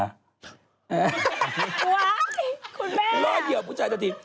ว้าวคุณแม่